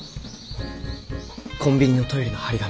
コンビニのトイレのはり紙。